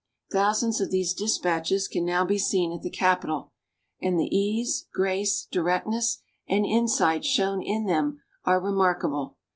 Thousands of these dispatches can now be seen at the Capitol; and the ease, grace, directness and insight shown in them are remarkable.